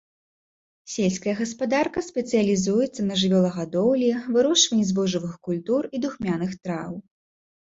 Сельская гаспадарка спецыялізуецца на жывёлагадоўлі, вырошчванні збожжавых культур і духмяных траў.